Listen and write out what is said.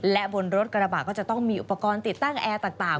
และบนรถกระบะก็จะต้องมีอุปกรณ์ติดตั้งแอร์ต่าง